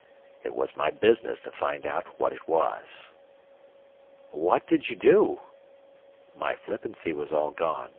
It was my business to find out what it was." "What did you do?" My flippancy was all gone.